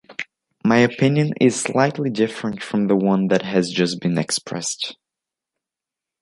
My opinion is slightly different from the one that has just been expressed.